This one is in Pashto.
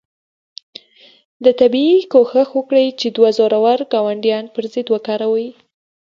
ده طبیعي کوښښ کړی چې دوه زورور ګاونډیان پر ضد وکاروي.